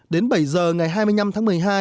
đến bảy giờ ngày hai mươi năm tháng một mươi hai